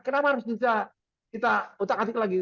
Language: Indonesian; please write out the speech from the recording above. kenapa harus bisa kita utak atik lagi